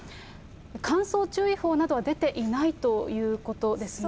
乾燥注意報などは出ていないということですね。